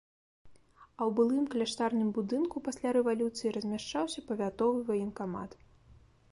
А ў былым кляштарным будынку пасля рэвалюцыі размяшчаўся павятовы ваенкамат.